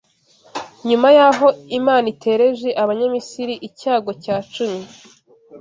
nyuma y’aho Imana itereje Abanyamisiri icyago cya cumi